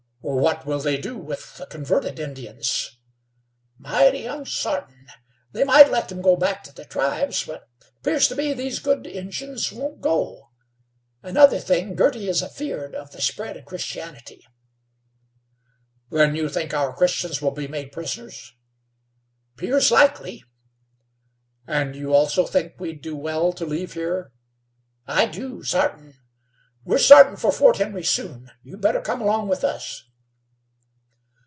"What will they do with the converted Indians?" "Mighty onsartin. They might let them go back to the tribes, but 'pears to me these good Injuns won't go. Another thing, Girty is afeered of the spread of Christianity." "Then you think our Christians will be made prisoners?" "'Pears likely." "And you, also, think we'd do well to leave here." "I do, sartin. We're startin' for Fort Henry soon. You'd better come along with us."